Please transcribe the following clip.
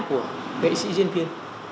của nghệ sĩ diễn viên